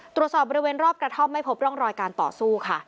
ตรวจสอบบริเวณรอบกระท่อมไม่พบร่องรอยการต่อสู้ค่ะ